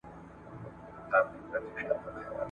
هسي نه ده چي نېستۍ ته برابر سو ,